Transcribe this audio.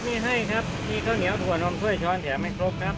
มีข้าวเหนียวถั่วนมช่วยช้อนแถมให้ครบครับ